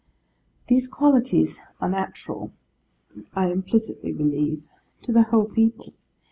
These qualities are natural, I implicitly believe, to the whole people.